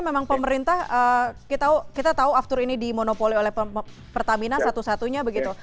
memang pemerintah kita tahu aftur ini dimonopoli oleh pertamina satu satunya begitu